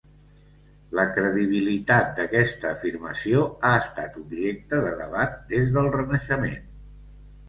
La credibilitat d'aquesta afirmació ha estat objecte de debat des del Renaixement.